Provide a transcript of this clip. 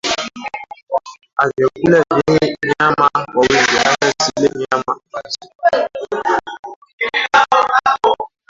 a yvakula vyeye nyama kwa wingi hasa zile nyama ambazo